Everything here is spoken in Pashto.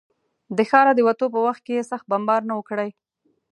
د ښاره د وتو په وخت کې یې سخت بمبار نه و کړی.